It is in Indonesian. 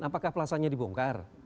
apakah pelasannya dibongkar